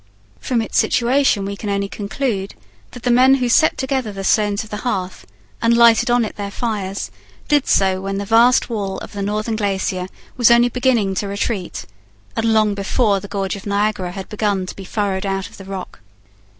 From its situation we can only conclude that the men who set together the stones of the hearth, and lighted on it their fires, did so when the vast wall of the northern glacier was only beginning to retreat, and long before the gorge of Niagara had begun to be furrowed out of the rock.